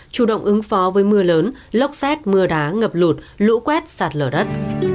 chủ động ứng phó với mưa lớn lốc xét mưa đá ngập lụt lũ quét sạt lở đất